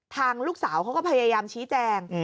ทางลูกสาวเขาก็พยายามชี้แจง